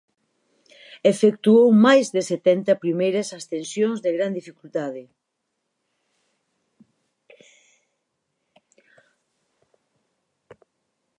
Efectuou máis de setenta primeiras ascensións de gran dificultade.